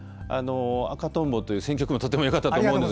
「赤とんぼ」という選曲もとてもよかったと思うんです。